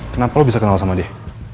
kenapa lo bisa kenal sama dia